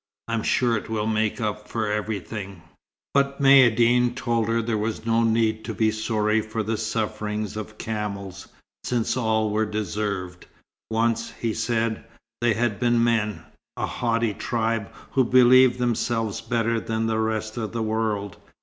I'm sure it will make up for everything." But Maïeddine told her there was no need to be sorry for the sufferings of camels, since all were deserved. Once, he said, they had been men a haughty tribe who believed themselves better than the rest of the world.